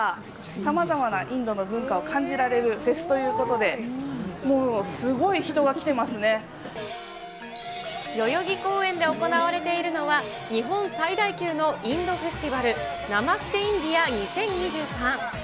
さまざまなインドの文化を感じられるフェスということで、もう、代々木公園で行われているのは、日本最大級のインドフェスティバル、ナマステ・インディア２０２３。